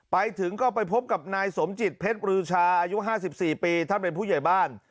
ไปถึงก็ไปพบกับนายสมจิตเพชรบรือชาอายุ๕๔ปีท่านเป็นผู้ใหญ่บ้าน